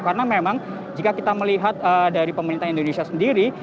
karena memang jika kita melihat dari pemerintah indonesia sendiri